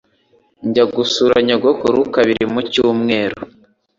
Njya gusura nyogokuru kabiri mu cyumweru.